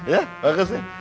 ya bagus sih